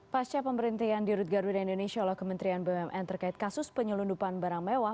pasca pemberhentian di rut garuda indonesia oleh kementerian bumn terkait kasus penyelundupan barang mewah